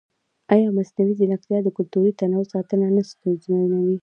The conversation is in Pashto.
ایا مصنوعي ځیرکتیا د کلتوري تنوع ساتنه نه ستونزمنوي؟